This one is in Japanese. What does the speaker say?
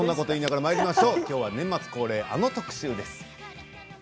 きょうは年末恒例あの特集です。